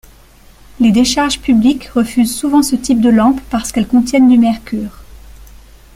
Les décharges publiques refusent souvent ce type de lampes parce qu'elles contiennent du mercure.